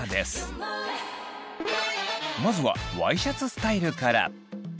まずはワイシャツスタイルから。